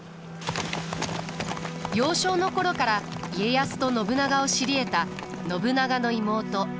幼少の頃から家康と信長を知りえた信長の妹市。